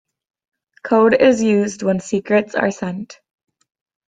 Code is used when secrets are sent.